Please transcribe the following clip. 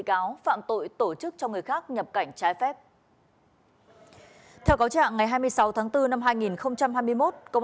cáo phạm tội tổ chức cho người khác nhập cảnh trái phép theo cáo trạng ngày hai mươi sáu tháng bốn năm hai nghìn hai mươi một công